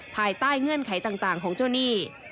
ภายใต้เงื่อนไขต่างของโจเนี่ย